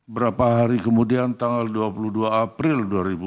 berapa hari kemudian tanggal dua puluh dua april dua ribu dua puluh